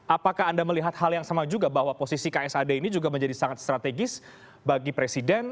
apakah anda melihat hal yang sama juga bahwa posisi ksad ini juga menjadi sangat strategis bagi presiden